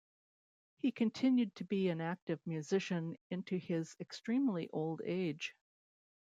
He continued to be an active musician into his extremely old age.